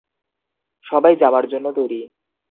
সবাই যাওয়ার জন্য তৈরি।